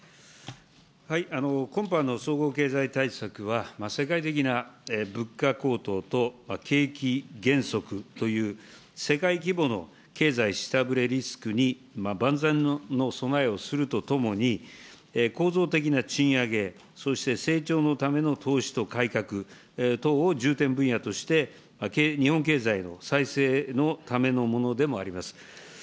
今般の総合経済対策は、世界的な物価高騰と、景気減速という、世界規模の経済下振れリスクに万全の備えをするとともに、構造的な賃上げ、そして成長のための投資と改革等を重点分野として、日本経済の再生のためのものでもあります。